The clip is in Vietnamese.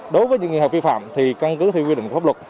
đối với những người hợp vi phạm thì căn cứ theo quy định pháp luật